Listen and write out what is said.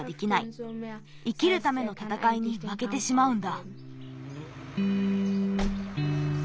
生きるためのたたかいにまけてしまうんだ。